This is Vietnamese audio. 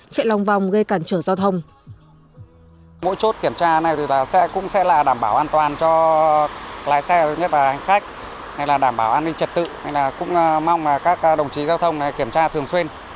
chạy lòng vòng gây cản trở giao thông